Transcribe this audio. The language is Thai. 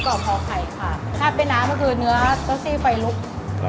ขอบคุณครับ